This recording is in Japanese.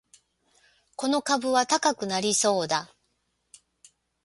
この株は高くなりそうだ